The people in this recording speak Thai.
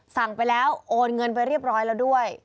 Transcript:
สั่งไปแล้วโอนเงินไปเรียบร้อยแล้วด้วย